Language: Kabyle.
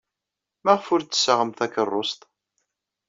Maɣef ur d-tessaɣem takeṛṛust?